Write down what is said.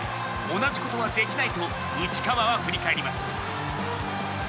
同じことはできないと内川は振り返ります。